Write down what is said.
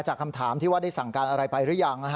คำถามที่ว่าได้สั่งการอะไรไปหรือยัง